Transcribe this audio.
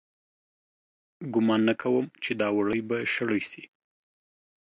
گومان نه کوم چې دا وړۍ به شړۍ سي